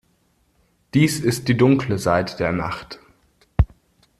Dies ist die dunkle Seite der Nacht.